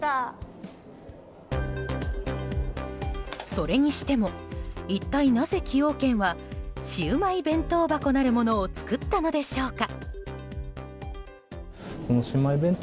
それにしても一体なぜ崎陽軒はシウマイ弁当箱なるものを作ったのでしょうか。